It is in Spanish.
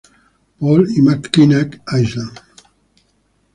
Paul y Mackinac Island.